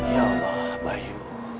ya allah bayu